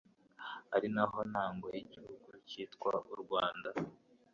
ari naho ntango y'igihugu cyitwa u Rwanda,